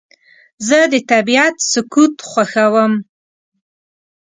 زه د طبیعت سکوت خوښوم.